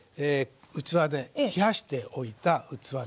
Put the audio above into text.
器で冷やしておいた器です。